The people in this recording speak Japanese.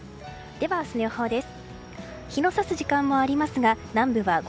明日の予報です。